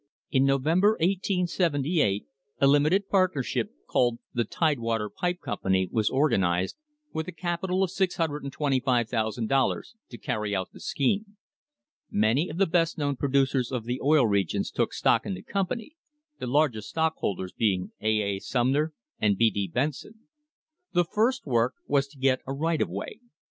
In November, 1878, a limited partnership, called the Tidewater Pipe Com pany, was organised with a capital of $625,000 to carry out the scheme. Many of the best known producers of the Oil Regions took stock in the company, the largest stockholders being A. A. Sumner and B. D. Benson.* The first work was to get a right of way.